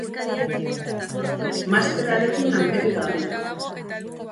Masterrarekin lanpetuta dabil.